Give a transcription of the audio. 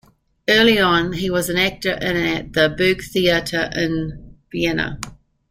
Early on, he was an actor in at the Burgtheater in Vienna.